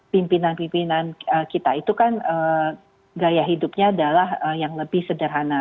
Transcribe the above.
pimpinan pimpinan kita itu kan gaya hidupnya adalah yang lebih sederhana